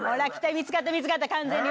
見つかった見つかった完全に。